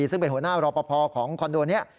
ซึ่งเป็นหัวหน้ารอปภของคอนโดนี้